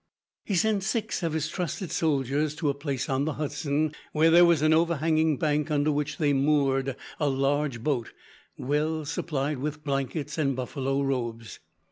He sent six of his trusted soldiers to a place on the Hudson, where there was an overhanging bank under which they moored a large boat, well supplied with blankets and buffalo robes.